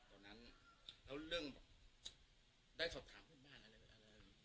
ตอนนั้นแล้วเรื่องแบบได้สอบถามเพื่อนบ้านอะไร